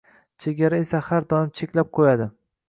chegara esa har doim cheklab qo‘yadi.